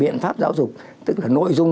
biện pháp giáo dục tức là nội dung